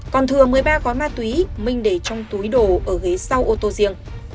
còn thừa một mươi ba gói ma túy minh để trong túi đồ ở ghế sau ô tô riêng